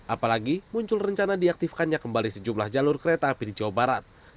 apalagi muncul rencana diaktifkannya kembali sejumlah jalur kereta api di jawa barat